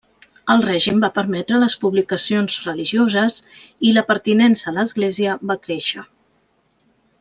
El règim va permetre les publicacions religioses, i la pertinença a l'església va créixer.